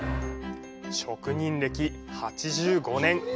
職人歴８５年。